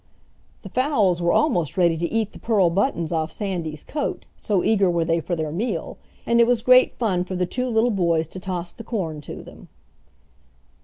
The fowls were almost ready to eat the pearl buttons off Sandy's coat, so eager were they for their meal, and it was great fun for the two little boys to toss the corn to them.